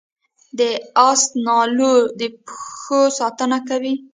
د اس نالونه د پښو ساتنه کوي